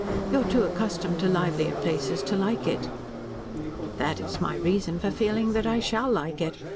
"You are too accustomed to livelier places to like it." "That is my reason for feeling that I shall like it.